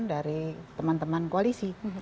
dari teman teman koalisi